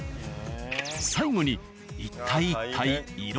最後に。